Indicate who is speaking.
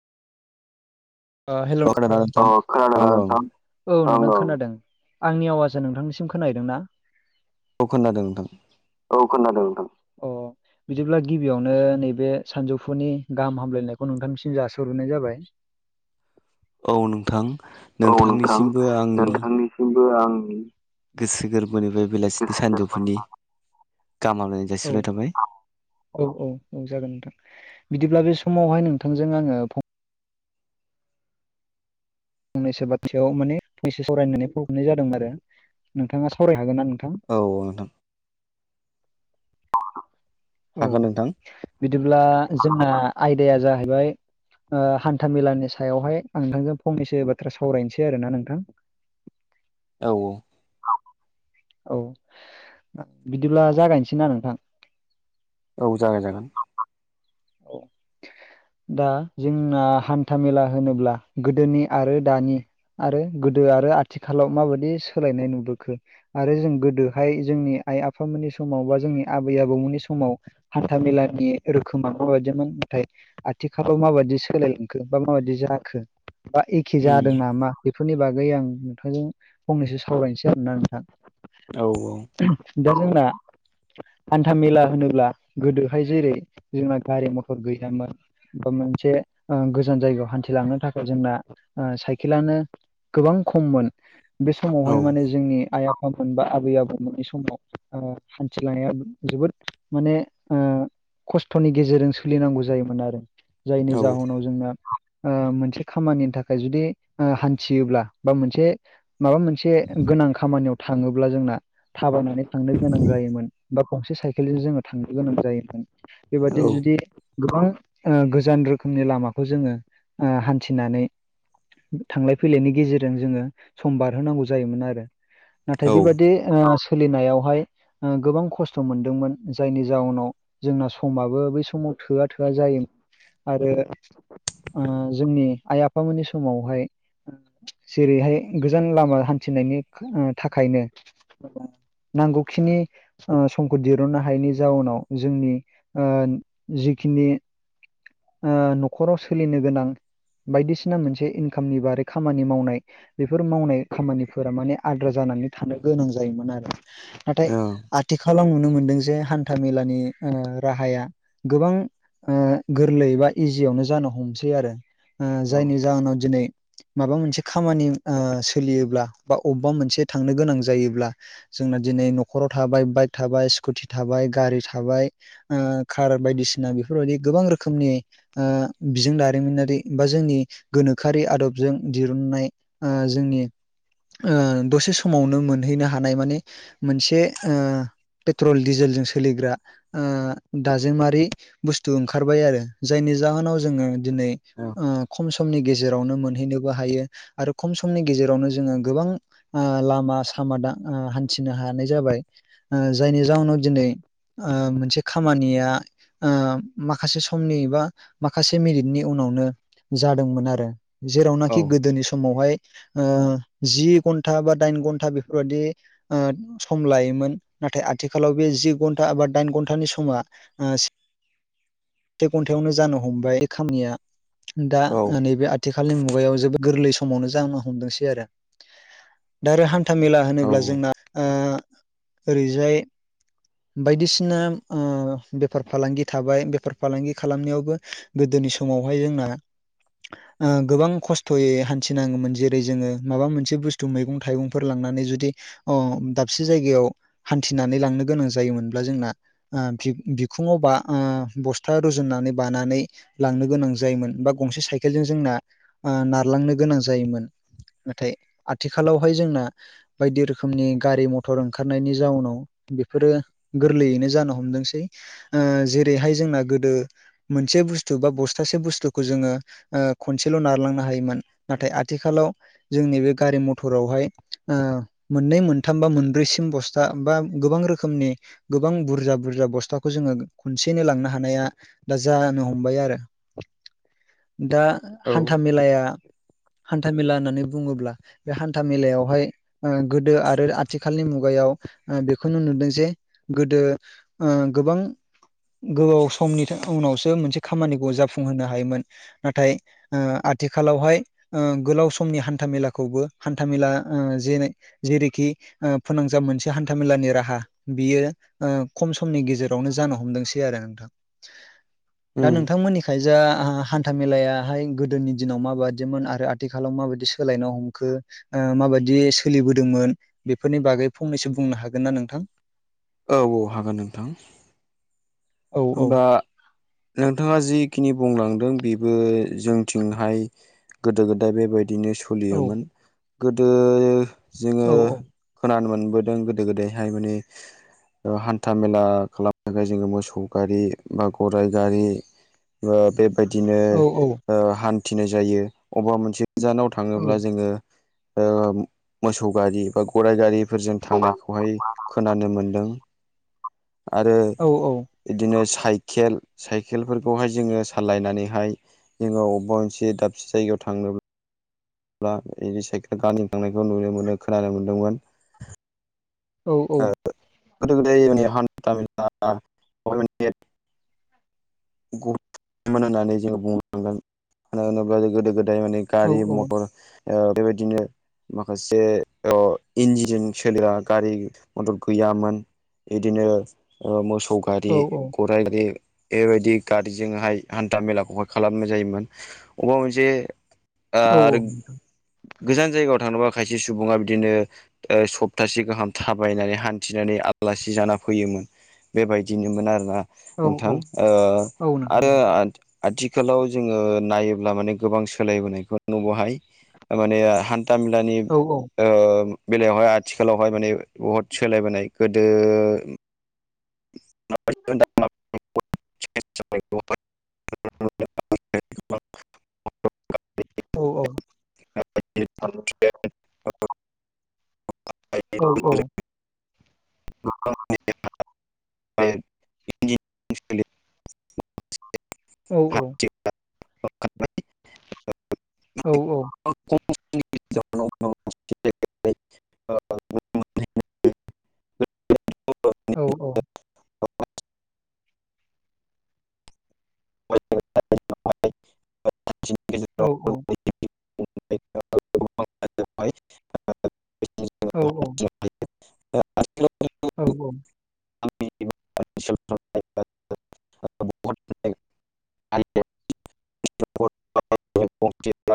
Speaker 1: हेल'
Speaker 2: अ खोनादोंना नोंथां
Speaker 1: खोनादोंना
Speaker 2: ओं ओं
Speaker 1: नोंथां? औ नोंथां खोनादों आंनि आवाजआ नोंथांनिसिम खोनाहैदोंना?
Speaker 2: औ खोनादों नोंथां।
Speaker 1: औ खोनादों नोंथां। अ। बिदिब्ला गिबियावनो नैबे सानजौफुनि गाहाम हामलायनायखौ नोंथांनिसिम जासोहरग्रोनाय जाबाय।
Speaker 2: औ नोंथां।
Speaker 1: औ नोंथां
Speaker 2: नोंथांनिसिमबो आंनि
Speaker 1: नोंथांनिसिमबो आंनि
Speaker 2: गोसो गोरबोनिफ्राय बेलासिनि
Speaker 1: गोसो गोरबोनि
Speaker 2: सानजौफुनि गाहाम हामलायनायखौ
Speaker 1: औ आ औ औ औ जागोन नोंथां। बिदिब्ला बे समावहाय नोंथांजों आङो फं फंनैसो बाथथायाव माने फंनैसो सावरायनो होननानै फन हरनाय जादोंमोन आरो। नोंथाङा सावराय हागोन ना नोंथां?
Speaker 2: औ ओं।
Speaker 1: औ
Speaker 2: हागोन नोंथां
Speaker 1: बिदिब्ला जोंना आयदाया जाहैबाय ओ हान्था मेलानि सायावहाय आं नोंथांजों फंनैसो बाथ्रा सावरायनोसै आरो ना नोंथां। [inaudible]
Speaker 2: औ।
Speaker 1: औ औ आ बिदिब्ला जागायनोसै आं नोंथां?
Speaker 2: औ जागाय जागोन।
Speaker 1: औ। दा जोंना हान्था मेला होनोब्ला गोदोनि आरो दानि आरो गोदो आरो आथिखालाव माबायदि सोलायनाय नुबोखो? आरो जों गोदोहाय जोंनि आइ आफामोननि समाव बा जोंनि आबै आबौमोननि समाव हान्था मेलानि रोखोम खोमा माबायदिमोन नाथाय आथिखालाव माबायदि सोलायलांखो बा माबायदि जाखो? बा एखे
Speaker 2: उम
Speaker 1: जादों नाम बेफोरनि बागै आं नोंथांजों फंनैसो सावरायनोसै आरोना नोंथां।
Speaker 2: औ औ।
Speaker 1: ओहोम दा जोंना हान्था मेला होनोब्ला गोदोहाय जेरै जोंना गारि मथर गैयामोन। बा मोनसे ओ गोजान जायगायाव हान्थिलांनो थाखाय जोंना ओ साइकेलानो गोबां खममोन बे
Speaker 2: औ
Speaker 1: समावहाय माने जो जोंनि आइ आफामोन बा आबै आबौमोननि समाव ओ हान्थिनाया जोबोद माने ओ खस्थ'नि गेजेरजों सोलिनांगौ जायोमोन आरो। जायनि
Speaker 2: औ
Speaker 1: जाउनाव जोंना ओ मोनसे खामानिनि थाखाय जुदि ओ हान्थियोब्ला बा मोनसे माबा मोनसे गोनां खामानियाव थाङोब्ला जोंना थाबायनानै थांनो गोनां जायोमोन। बा गंसे साइकेलजों जोङो थांनो गोनां जायोमोन।
Speaker 2: औ
Speaker 1: बेबादिनो जुदि गोबां ओ गोजान रोखोमनि लामाखौ जोङो ओ हान्थिनानै थांलाय फैलायनि गेजेरजों जोङो सम बारहोनांगौ जायोमोन आरो। नाथाय बेबादि ओ सो सोलिनायावहाय ओ गोबां खस्थ' मोनदोंमोन जायनि जाउनाव जोंना समाबो बै समाव थोआ थोआ जायोमोन आरो ओ जोंनि आइ आफामोननि समावहाय जेरैहाय गोजान लामा हान्थिनायनि खो थाखायनो नांगौखिनि ओ समखौ दहुननो हायैनि जाउनाव जोंनि ओ जिखिनि न'खराव सोलिनो गोनां बायदिसिना मोनसे इनकामनि बारै खामानि मावनाय बेफोर मावनाय खामानिफोरा माने आद्रा जानानै थानो गोनां जायोमोन आरो। नाथाय आथिखालाव नुनो मोनदों जे हान्था मेलानि ओ राहाया गोबां ओ गोरलै बा इजियावनो जानो हमसै आरो। ओ
Speaker 2: औ
Speaker 1: जायनि जाहोनाव दिनै माबा मोनसे खामानि ओ सोलियोब्ला बा अबेबा मोनसे थांनो गोनां जायोब्ला जोंना दिनै न'खराव थाबाय बाइक थाबाय स्कुटि थाबाय गारि थाब थाबाय ओ कार बायदिसिना बेफोरबायदि गोबां रोखोमनि बिजों दारिमिनारि बा जोंनि गोनोखोआरि आदबजों दिरुननाय ओ जोंनि ओ दसे समावनो मोनहैनो हानाय माने मोनसे ओ पेट्रल डिजेलजों सोलिग्रा ओ दाजेमारि बुस्थु ओंखारबाय आरो जायनि जाहोनाव जोङो दिनै ओ खम समनि गेजेरावनो मोनहैनो हायो आरो खम समनि गेजेरावनो जोङो गोबां ओ लामा सामा दां ओ हान्थिनो हानाय जाबाय ओ जायनि जााहनाव दिनै ओ मोनसे खामानिया ओ माखासे समनि बा माखासे मिनिटनि उनावनो जादोंमोन आरो।
Speaker 2: औ
Speaker 1: जेरावनाखि गोदोनि समावहाय ओ जि घन्टा बा दाइन घन्टा बेफोरबायाददि ओ सम लायोमोन नाथाय आथिखालाव बे जि घन्टा बबा दाइन घन्टानि समा ओ से घन्टायावनो जानो हमबाय बे खामिया दा
Speaker 2: औ
Speaker 1: नै बे आथिखालनि मुगायाव जोबोद गोरलै समावनो जनो हमदोंसै आरो दा हान्थाामेला होनोब्ला
Speaker 2: उम
Speaker 1: जोंना ओ ओरैजाय बायदिसिना ओ बेफार फालांगि थाबाय बेफार फालांगि खालामनायावबो गोदोनि समावहाय जोंना ओ गोबां खस्थ'यै हान्थिनाङोमोन जेरै जोङो माबा मोनसे बुस्थु मैगं थाइगंफोर लांनानै जुदि [unintelligible] दाबसे जायगायाव हान्थिनानै लांनो गोनां जायोमोनब्ला जोंना ओ बि-बिखुङाव बा बस था रुजुननानै बानानै लांनो गोनां जायोमोन बा गंसे साइकेलजों जोंना ओ नारलांनो गोनां जायोमोन नाथाय आथिखालावहाय जोंना बायदि रोखोमनि गारि मथर ओंखारनायनि जाउनाव बेफोरो गोरलैयैनो जानो हमदोंसै ओ जेरैहाय जोंना गोदो मोनसे बुस्थु बा बस्थासे बुस्थुखौ जोङो ओ खनसेल' नारलांनो हायोमोन नाथाय आथिखालाव जोंनि बे गारि मथरावहाय ओ मोननै मोनथाम बा मोनब्रैसिम बस्था बा गोबां रोखोमनि गोबां बुरजा बुरजा बस्थाखौ जोङो खनसेनो लांनो हा [unintelligible] दा जानो हमबाय आरो दा
Speaker 2: औ
Speaker 1: हान्था मेलाया हान्था मेला होननानै बुङोब्ला बे हान्था मेलायावहाय गोदो आरो आथिखालनि मुगायाव बेखौनो नुदों जे गोदो ओ गोबां गोबाव स समनि उनावसो मोनसे खामानिखौ जाफुंहोनो हायोमोन नाथाय ओ आथिखालावहाय ओ गोलाव समनि हान्था मेलाखौबो हान्था मेला ओ जेै जेरैखि फोनांजाब मोनसे हान्थाामेलानि राहा बियो ओ खम समनि गेजेरावनो जानो हमदोंसै आरो नोंथां। दा नोंथांमोननिखायल जा हान्था मेलायाहाय गोदोनि दिनाव माबायदिमोन आरो आथिखालाव माबायदि सोलायनो हमखो माबायदि सोलिबोदोंमोन बेफोरनि बागै फंनैसो बुंनो हागोन ना नोंथां?
Speaker 2: औ औ हागोन नोंथां।
Speaker 1: औ औ
Speaker 2: होनबा नोंथाङा जिखिनि बुंलांदों बेबो जोंथिंहाय गोदो गोदाय बेबायदिनो
Speaker 1: औ
Speaker 2: सोलियोमोन गोदो जोङो
Speaker 1: औ
Speaker 2: खोनानो मोनबोदों गोदो गोदायहाय माने हान्था मेला खालामनो थाखाय जोङो मोसौ गारि बा गराइ गारि बा बेबायदिनो
Speaker 1: औ
Speaker 2: ओ हान्थिनाय जायो अबेबा मोनसे गोजानाव
Speaker 1: औ
Speaker 2: थाङोब्ला जोङो ओ मोसौ गारि बा गराइ गारिफोरजों थांनायखौहाय खोनानो मोनदों आरो
Speaker 1: औ औ।
Speaker 2: बिदिनो साइखेल साइखेलफोरखौहाय जोङो सालायनानैहाय जोंनो अबेबा मोनसे दाबसे जायगायाव थांनो अब्ला बिदि साइकेल गारि थांनायखौ नुनो मोनो खोनानो मोन्दोंमोन
Speaker 1: औ औ
Speaker 2: गोदो गोदाय माने हान्था मेला ओमफाय माने [unintelligible] होननानै जोङो बुंलांगोन मानो होनोब्ला जों गोदो गोदाय माने
Speaker 1: औ
Speaker 2: गारि मथर ओ बेबायदिनो माखासे अ इन्जिन सोलिग्रा गारि मथर गैयामोन बिदिनो ओ मोसौ गारि
Speaker 1: औ
Speaker 2: गराइ गारि बेबायदि गारिजोंहाय हान्था मेलाखौहाय खालामनाय जायोमोन अबा मोनसे ओ
Speaker 1: औ
Speaker 2: आरो गोजान जायगायाव थांबा खायसे सुबुङा बिदिनो ओ सप्तासे गाहाम थाबायनानै हान्थिनानै आलासि जाना फैयोमोन बेबायदिनोमोन आरोना
Speaker 1: औ
Speaker 2: नोंथां
Speaker 1: औ
Speaker 2: ओ
Speaker 1: औ नोंथां
Speaker 2: आरो
Speaker 1: औ
Speaker 2: आथिखालाव जोङो नायोब्ला माने गोबां सोलायबोनायखौ नुबावहाय माने तामिलानि
Speaker 1: औ औ
Speaker 2: ओ बेलायावहाय आथिखालावहाय माने बहुद सोलायबोनाय गोदो [unintelligible]
Speaker 1: औ औ आ औ औ
Speaker 2: [inaudible] [inaudible]
Speaker 1: औ औ
Speaker 2: [inaudible]
Speaker 1: औ औ
Speaker 2: [inaudible]
Speaker 1: औ औ
Speaker 2: [inaudible]
Speaker 1: औ औ
Speaker 2: [inaudible]
Speaker 1: औ औ
Speaker 2: [inaudible]
Speaker 1: औ औ
Speaker 2: [inaudible] [inaudible]